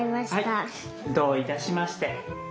はいどういたしまして。